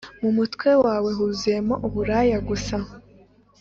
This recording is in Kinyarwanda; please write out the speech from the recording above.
Mu mutwe wawe huzuyemo uburaya gusa